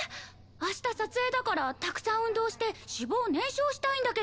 明日撮影だからたくさん運動して脂肪を燃焼したいんだけど。